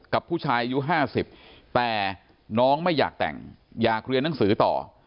กับผู้ชายอายุ๕๐แต่น้องไม่อยากแต่งอยากเรียนหนังสือต่อ